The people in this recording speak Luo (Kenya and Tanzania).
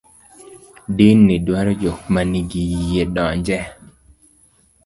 din ni dwaro jok manigi yie donje